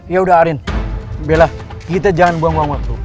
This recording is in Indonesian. yaudah arin bella kita jangan buang buang waktu